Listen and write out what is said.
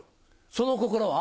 その心は？